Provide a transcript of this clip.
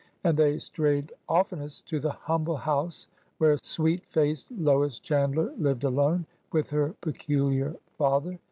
And they strayed oftenest to the humble house where sweet faced Lois Chandler lived alone with her peculiar father.